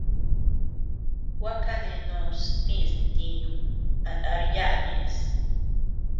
Gua kanenos dis ntiñu a ndar yaʼa ñeʼes.